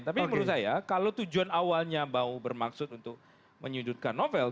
tapi menurut saya kalau tujuan awalnya mau bermaksud untuk menyudutkan novel